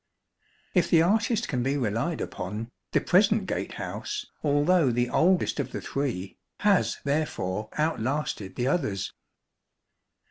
If the artist can be relied upon, the present gatehouse, although the oldest of the three, has therefore outlasted the others.